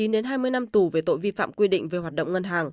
một mươi chín hai mươi năm tù về tội vi phạm quy định về hoạt động ngân hàng